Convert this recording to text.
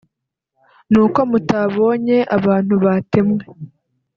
n’uko mutabonye abantu batemwe